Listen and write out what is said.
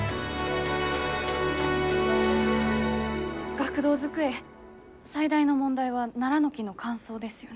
学童机最大の問題はナラの木の乾燥ですよね？